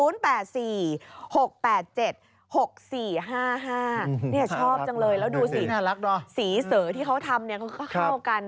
นี่ชอบจังเลยแล้วดูสิสีเสอที่เขาทำเขาก็เข้ากัน